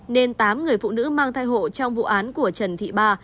nên tám người phụ nữ mang thai hộ trong vụ án của trần thị ba